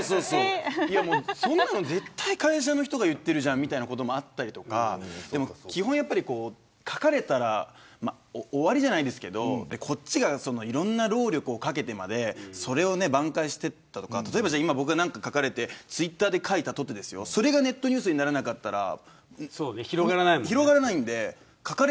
絶対会社の人が言ってるじゃんみたいなこともあったりとか書かれたら終わりじゃないですけどこっちがいろんな労力をかけてまでそれを挽回しても例えば僕が何か書かれてツイッターで書いてもそれがネットニュースにならなかったら広がらないので。